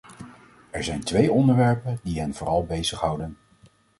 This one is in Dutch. Er zijn twee onderwerpen die hen vooral bezighouden.